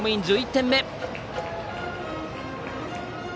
１１点目。